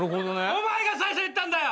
お前が最初言ったんだよ！